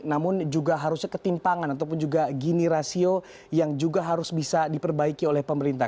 namun juga harusnya ketimpangan ataupun juga gini rasio yang juga harus bisa diperbaiki oleh pemerintah